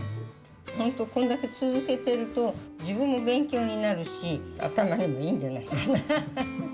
本当、こんだけ続けてると、自分も勉強になるし、頭にもいいんじゃないかな。